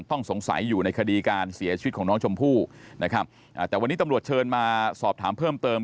ต้องสงสัยอยู่ในคดีการเสียชีวิตของน้องชมพู่นะครับอ่าแต่วันนี้ตำรวจเชิญมาสอบถามเพิ่มเติม